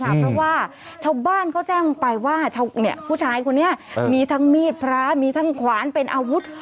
เพราะว่าชาวบ้านเขาแจ้งไปว่าผู้ชายคนนี้มีทั้งมีดพระมีทั้งขวานเป็นอาวุธ